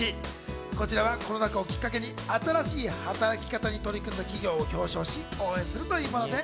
こちらはコロナ禍をきっかけに新しい働き方に取り組んだ企業を表彰し、応援するというものです。